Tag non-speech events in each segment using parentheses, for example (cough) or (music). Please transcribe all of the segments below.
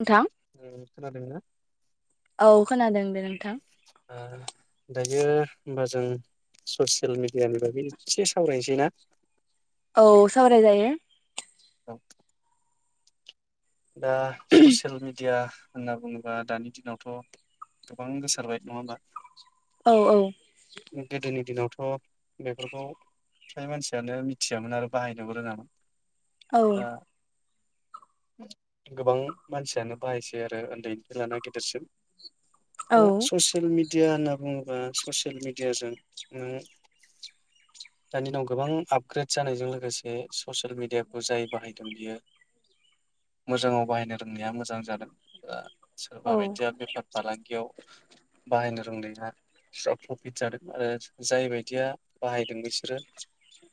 नोंथां ओं खोनादोंना? औ खोनादों दे नों ओ दा यो होमबा जों ससियेल मि दियानि बागै एसे सावरायनोसै ना? औ सावराय जायो। औ दा ससियेल मिडिया होनना बुङोबा दानि दिनावथ' गोबां गोसारबाय नङा होमबा? औ औ गोदोनि दिनावथ' बेफोरखौ फ्राय मानसियानो मिथियामोन आरो बाहायनोबो रोङामोन। औ दा गोबां मानसियानो बाहायसै आरो उन्दैनिफ्राय लाना गिदेरसिम। औ दा ससियेल मि दिया होनना बुङोबा ससियेल मिडियाजों नों दानि दिनाव गोबां आपग्रेड जानायजों लोगोसे ससियेल मिडियाखौ जाय बाहायदों बियो मोजाङाव बाहायनो रोंनाया मोजां जादों सोरबा औ बायदिया बेफार फालांगियाव बाहायनो रोंनाया बिरा प्रफिट जादों आरो जाय बदिया बाहायदों बिसोरो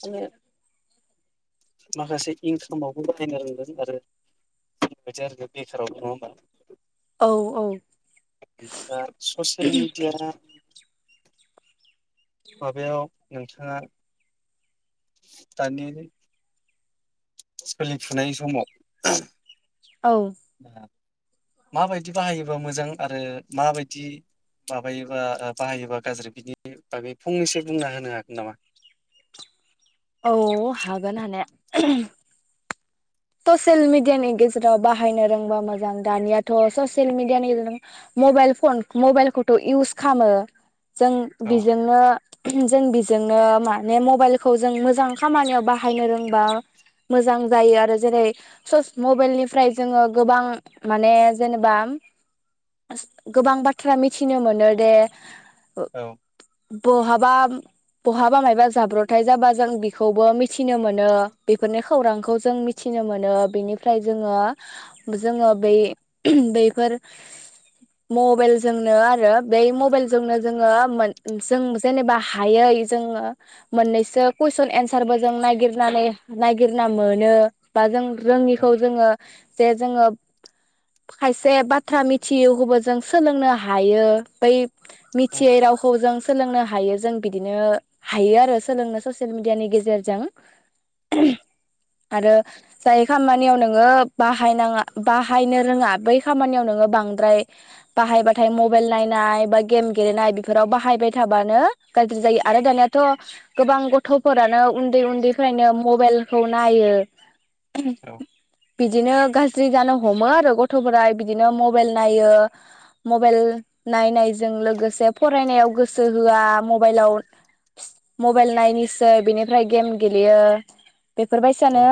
माने माखासे इनकामावबो बाहायनो रोंगोन आरो। (unintelligible) बे बेखारावबो नङा ओमबा। औ दा ससियेल मिडिया माबायाव नोंथाङा दानि सोलिफुनाय समाव औ माबायदि बाहायोबा मोजां आरो माबायदि माबायोबा ओ बाहायोबा गाज्रि बिनि बागै फंनैसो बुंना होनो हागोन नामा? औ हागोन स'सेयल मिडियानि गेजेराव बाहायनो रोंबा मोजां दानियाथ' स'सेयल मिडियानि (unintelligible) मबाइल फन मबाइलखौथ' इउस खामो। जों औ बेजोंनो जों बिजोंनो माने मबाइलखौ जों मोजां खामानियाव बाहायनो रोंबा मोजां जायो आरो जेरै सस मबाइलनिफ्राय जोङो गोबां माने जेनेबा गोबां बाथ्रा मिथिनो मोनो दे औ बहाबा बहाबा मायबा जाब्रबथाय जाबा जों बेखौबो मिथिनो मोनो बेफोरनि खौरांखौ जों मि थिनो मोनो बेनिफ्राय जोङो जोङो बै बैफोर मबेलजोंनो आरो बै मबाइलजोंनो जोङो मोन जों जेनेबा हायै जोङो मोननैसो कुइसन एन्सारबो जों नायगिरनानै नायगिरना मोनो। बा जों औ रोङिखौ जोङो जे जोङो खायसे बाथ्रा मिथियौखौबो जों सोलोंनो हायो। बै मिथियै रावखौ जों सोलोंनो हायो। जों बिदिनो हायो आरो सोलोंनो ससियेल मिडियानि गेजेरजों। औ आरो जाय खामानियाव नोङो बाहायनाङा बाहायनो रोङा बै खामानियाव नोङो बांद्राय बाहायबाथाय मबाइल नायनाय बा गेम गेलेनाय बेफोराव बाहायबाय थाबानो गाज्रि जायो। आरो दानियाथ' गोबां गथ'फोरानो उन्दै उन्दैफ्रायनो मबाइलखौ नायो। औ बिदिनो गाज्रि जानो हमो आरो गथ'फोरा बिदिनो मबाइल नायो मबाइल नायनायजों लोगोसे फरायनायाव गोसो होआ मबाइलाव मबाइल नायनोसै बिनिफ्राय गेम गेलेयो। बेफोरबायदिसानो औ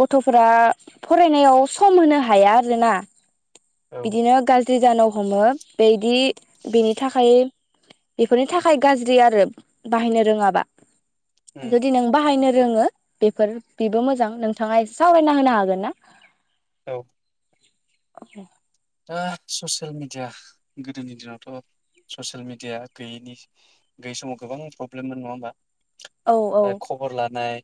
गथ'फोरा फरायनायाव सम होनो हाया आरोना। औ बिदिनो गाज्रि जान हमो बेदि बेनि थाखाय बेफोरनि थाखाय गाज्रि आरो बाहायनो रोङाबा। उम जुदि नों बाहायनो रोङो बेफोर बेबो मोजां नोंथाङा एसे सावरायना होनो हागोन ना? औ औ दा स'सियेल मिडिया गोदोनि दिनावथ' स'सियेल मिडिया गैयिनि गैयि समाव गोबां प्रब्लेममोन नङा होमबा? औ औ ओ खबर लानाय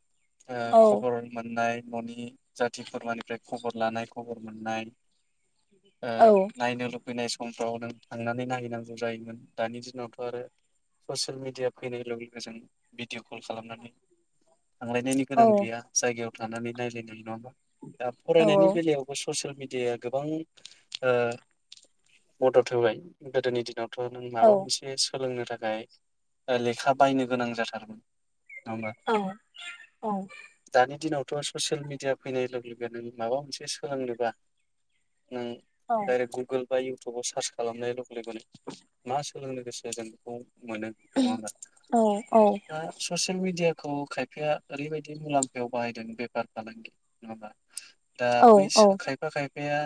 ओ औ खबर मोननाय न'नि जाथि खुरमानिफ्राय खबर लानाय खबर मोननाय। ओ औ नायनो लुबैनाय स समफ्राव नों थांनानै नायहैनांगौ जायोमोन दानि दिनावथ' आरो स'सियेल मिडिया फैनाय लोगो लोगो जों भिडिअ' कल खालामनानै थांलायनायनि औ गोनां गैया जायगायाव थानानै नायलायनो हायो नङा होनबा। दा फरायनायनि बेलायावबो ससियेल मिडियाया गोबां ओ मदद होबाय गोदोनि दिनाव थ नों औ माबा मोनसे सोलोंनो थाखाय ओ लेखा बायनो गोनां जाथारोमोन। नङा होमबा दानि दिनाव थ' ससियेल मिडिया फैनाय लोगो लोगो नों माबा मोनसे सोलोंनोबा नों औ दायरेकट गुग्गोल बा इउटुबाव सार्च खालामनानैल' (unintelligible) मा सों लांनो गोसो जों बेखौ मोनो नङा होमबा औ औ दा ससियेल मिडिया खौ खायफाया ओरैबायदि मुलाम्फायाव बाहायदों बेफार फालांगि नङा होनबा दा औ बैसो खायफा खायफा या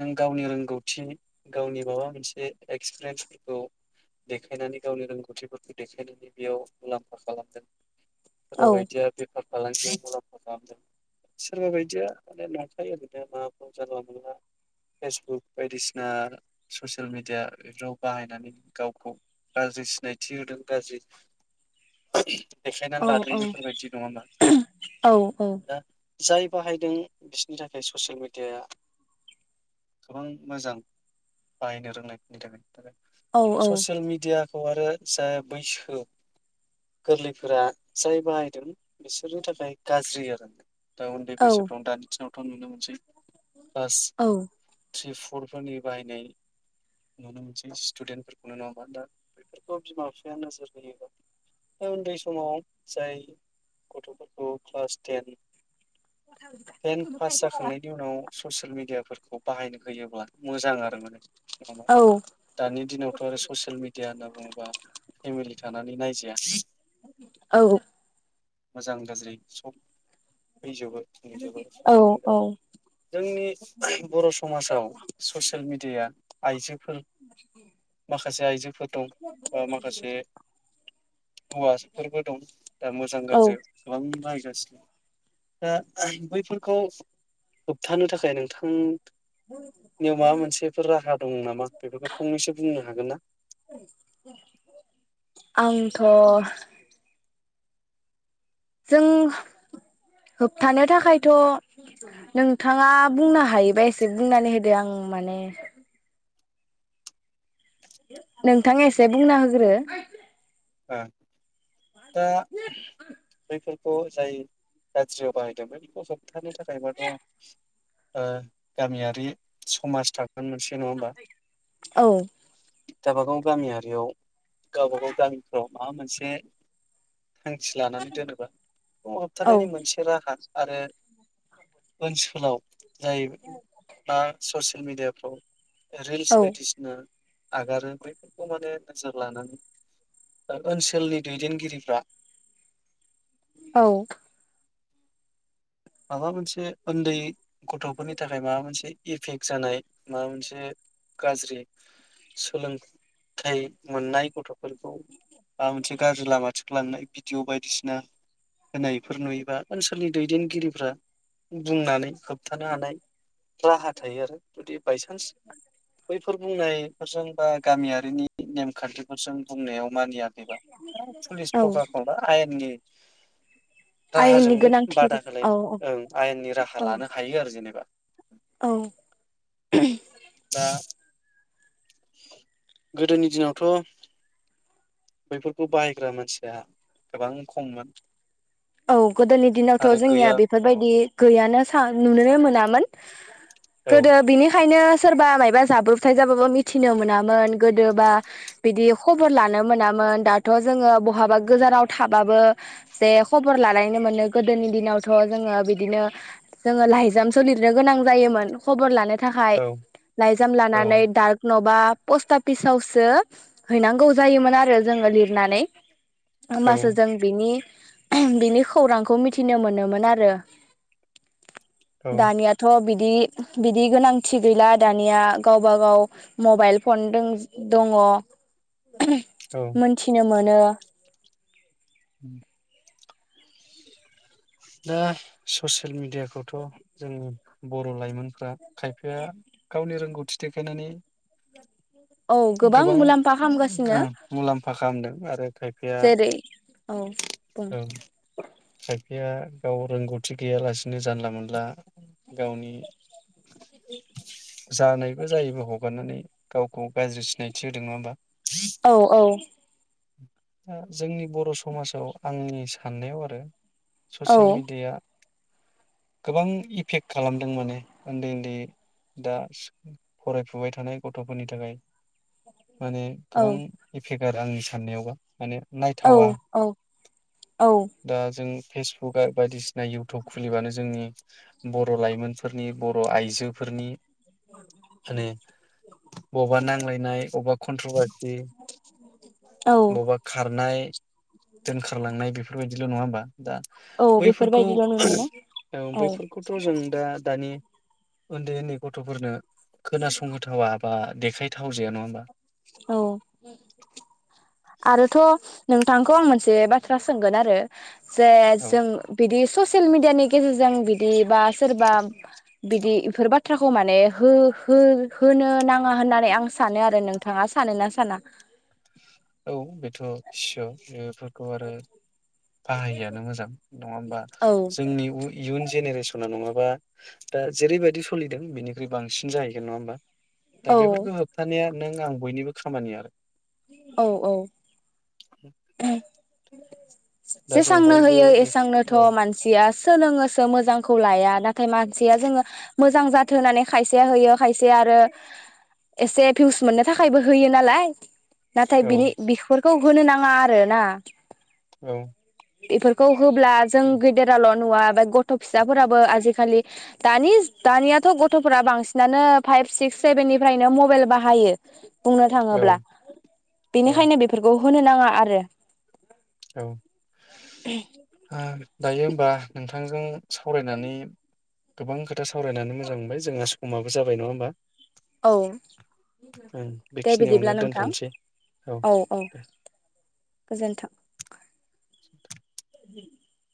नों गावनि रोंगौथि गावनि माबा मोनसे एक्सपिरियेन्सफोरखौ देखायनानै गावनि रोंगौथिफोरखौ देखायनायनि बेयाव मुलाम्फा खालामदों। सोनबा बायदिया बेफार फालांगियाव मुलाम्फा खालामदों सोरबा बायदिया माने नंखाय ओरैनो माबाफोर जानला मोनला फेसबुक बायदिसिना ससियेल मिडिया बेफोराव बाहायनानै गावखौ गाज्रि सिनायथि होदों गाज्रि देखायनानै लादों बेफोरबायदि नङा होमबा दा जाय बाहायदों बिसिनि थाखाय ससियेल मिडियाया गोबां मोजां बाहायनो रोंनायफोरनि थाखाय थाखाय ससियेल मिडिया खौ आरो जाय बैसो गोरलैफोरा जाय बाहायदों बिसोरनि थाखाय गाज्रि आरो ना दा उन्दै बैसोफ्रावनो दानि दिनाव थ' नुनो मोनासै क्लास औ थ्रि फरफोरनि बाहायनाय नुनो मोनसै स्टुडेन्टफोरखौ नङा होनबा ना दा बेफोरखौ बिमा बिफाया नोजोर होयोबा दा उन्दै समाव जाय गथ'फोरखौ क्लास टेन टेन पास जाखांनायनि उनाव ससेल मिडिया फोरखौ बाहायनो होयोब्ला मोजां आरो माने नङा होनबा दानि दिनावथ' आरो ससियेल मिडिया होनना बुङोब्ला बा फेमिलि थानानै नायजाया औ औ मोजां गाज्रि सब फैजोबो नुजोबो आरो औ जोंनि बर' समाजाव ससियेल मेडियाया आइजोफोर माखासे आइजोफोर दं बा माखासे हौवाफोरबो दं दा मोजां औ गाज्रि गोबां बायगासिनो दा बैफोरखौ होबथानो थाखाय नोंथां थां नियाव माबा मोनसेफोर राहा दं नामा बेफोरखौ फंनैसो बुंनो हागोन ना? आंथ' जों होबथानो थाखायथ' नोंथाङा बुंनो हायोबा एसे बुंनानै होदो आं माने नोंथां एसे बुंना होग्रो। ओ दा बैफोरखौ जाय गाज्रियाव बाहायदों बफोरखौ स बोथारनि थाखायबाथ' ओ गामियारि समाज थागोन मोनसे नंङा होमबा? औ। गावबागाव गामियारियाव गावबागाव गामि र माबा मोनसे थांखि लानानै दोनोबा फुं औ हाबथानायनि मोनसे राहा आरो ओनसोलाव जाहबाय दा ससे मिडियाफ्राव रिल्स औ बायदिसिना आगारो बैफोरखौ माने नोजोर लानानै ओनसोलनि दैदेनगिरिफ्रा औ। माबा मोनसे उन्दै गथ'फोरनि थाखाय माबा मोनसे इफेक्ट जानाय माबा मोनसे गाज्रि सोलोंथाइ मोननाय गथ' फोरखौ आ मोनसे गाज्रि लामाथिं लांनाय भिडिअ बायदिसिना होनायफोर नुयोबा ओनसोलनि दैदेनगिरि फ्रा बुंनानै होबथानो हानाय राहा थायो आरो जुदि बायसान्स बैफोर बुंनाय फोरजों बा गामियारिनि नेम खान्थिफोरजों बुंनायाव मानिया बा पुलिस औ प्रखाखन एबा आयेननि आइ एनि राहाजोंबो गोनां बादा थिर औ। होलायनो औ ओं आयेननि राहा लानो हायो आरो जेनेबा औ। दा गोदोनि दिनावथ' बैफोरखौ बाहायग्रा मानसिया गोबां खममोन। औ गोदोनि दिनावथ' आरो जोंनिया गैया औ बेफोरबायदि गैयानो स (unintelligible) नुनोनो मोनामोन। औ गोदो बिनिखायनो सोरबा मायबा जाब्रबथाय जाबाबो मिथिनो मोनामोन गोदोबा बिदि खबर लानो मोनामोन दाथ' जोंङो बहाबा गोजानाव थाबाबो जे खबर लालानायनो मोनो। गोदोनि दिनावथ' जोङो बिदिनो जोङो लाइजामसो लिरनो गोनां जायोमोन खबर लानो थाखाय औ लाइजाम औ लानानै डार्क न' बा पस्टाफिसावसो हैनांगौ जायोमोन आरो जोङो लिरनानै। औ होमबासो जों बिनि बिनि खौरांखौ मिथिनो मोनोमोन आरो। औ दानियाथ' बिद दि बिदि गोनांथि गैला दानिया गावबा गाव मबाइल फन दं दङ। औ मोनथिनोमोन नो। उम। दा ससियेल मिडियाखौथ' जों बर' लाइमोनफ्रा खायफाया गावनि रोंगौथि देखायनानै औ गोबां मुलाम्फा खालामगासिनो मुलाम्फा खालामदों आरो खायफाया जेरै औ। बुं औ। बिफाया गाव रोंगौथि गैयालासिनो जानला मोनला गावनि (inaudible) जानायबो जायैबो हगारनानै गावखौ गाज्रि सिनायथि होदों नङा होमबा? औ औ दा जोंनि बर' समाजाव आंनि साननायाव आरो औ ससियेल मिडियाया गोबां इफेक्ट खालामदों माने उन्दै उन्दै दा फरायफुबाय थानाय गथ'फोरनि थाखाय माने औ गोबां फेगार आंनि साननायावबा माने औ नायथावा औ औ। फेसबुकआ बायदिसिना इउटुब खुलिबानो जोंनि बर' लाइमोनफोरनि बर' आइजोफोरनि माने बबेबा नांलायनाय बबेबा खनथ्र'बार सि औ खारनाय। दोनखारलांनाय बेफोरबाय दिल' नङा होमबा। दा औ बैफोरखौ बेफोरबायदिल' नुनो मोनो ओ औ बैफोरखौथ' जों दा दानि उन्दै उन्दै गथ'फोरनो खोनासंगथावा बा देखायथाव जाया नङा होमबा? थ' नोंथांखौ आं मोनसे बाथ्रा सोंगोन आरो जे औ जों बिदि ससियेल मिडियानि गेजेरजों बिदि बा सोरबा बिदि बेफोर बाथ्राखौ माने हो हो होनो नाङा होननानै आं सानो आरो नों थाङा सानोना साना? औ बेथ' सियर बेफोर खौ आरो फाहायिआानो मोजां नङा होमबा औ जोंनि इयुन जेनेरेसनाव नङाबा दा जेरैबायदि सोलिदों बेनिख्रु बांसिन जाहैगोन नङा होमबा? दा औ बेफोरखौ होबथानाया नों आं बयनिबो खामानि आरो औ औ (inaudible) जों जेसांनो बयबो होयो बे एसांनोथ' औ मानसिया सोलोङोसो मोजांखौ ला लाया नाथाय मानसिया जोङो मोजां जाथों होननानै खायसेया होयो खायसे आरो एसे फिउस मोननो थाखायबो होयो नालाय नाथाय औ बिनि बिफोर खौ होननो नांगौ। ना आरो ना औ बेफोरखौ होबब्ला जों गेदेरालल' (unintelligible) गथ' फिसाफोराबो आजिखालि दानि दानियाथ' गथ'फोरा बांसिनानो फाइभ सिक्स सेभेननिफ्रायनो मबाइल बाहायो। बुंनो औ थाङोब्ला औ बेनिखायनो बेफोरखौ- होनो नाङा आरो औ आ दायो होमबा नों थांजों सावरायनानै गोबां खोथा सावरायनानै मोजां मोनबाय जोंहा समाबो जाबाय नङा होमबा? औ ओं दे बिदिब्ला बेखिनियावनो नोंथां दोनथ'नोसै औ औ गोजोनथों (inaudible) (unintelligible)